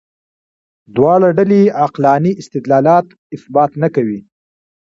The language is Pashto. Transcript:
دواړه ډلې عقلاني استدلال اثبات نه کوي.